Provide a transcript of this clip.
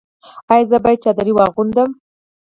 ایا زه باید چادري واغوندم؟